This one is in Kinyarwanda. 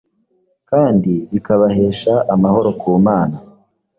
kandi bikabahesha amahoro ku Mana.